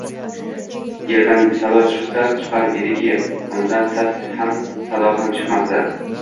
Yerdan sado chiqsa chiqar ediki, undan sas ham, sado ham chiqmasdi